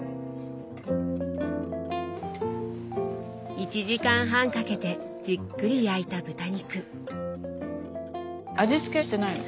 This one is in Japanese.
１時間半かけてじっくり焼いた豚肉。味付けしてないの。